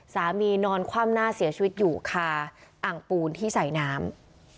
นอนคว่ำหน้าเสียชีวิตอยู่คาอ่างปูนที่ใส่น้ำ